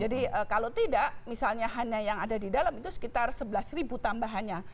jadi kalau tidak misalnya hanya yang ada di dalam itu sekitar sebelas ribu tambahannya